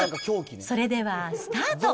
それではスタート！